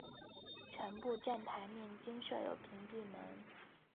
全部站台面均设有屏蔽门。